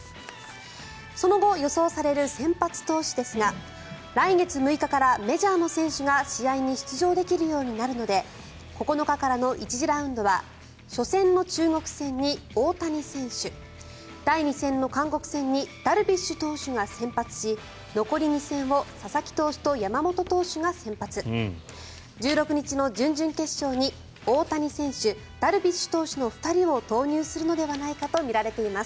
その後、予想される先発投手ですが来月６日からメジャーの選手が試合に出場できるようになるので９日の１次ラウンドは初戦の中国戦に大谷選手第２戦の韓国戦にダルビッシュ投手が先発し残り２戦を佐々木投手と山本投手が先発１６日の準々決勝に大谷選手ダルビッシュ投手の２人を投入するのではないかとみられています。